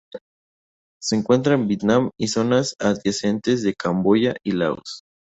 Se encuentra en Vietnam y zonas adyacentes de Camboya y Laos.